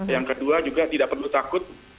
yang kedua juga tidak perlu takut